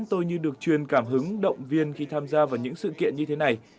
tôi như được truyền cảm hứng động viên khi tham gia vào những sự kiện như thế này